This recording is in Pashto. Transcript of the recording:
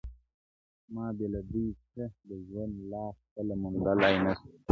ما بې له دوى څه د ژوند لار خپله موندلاى نه سوه-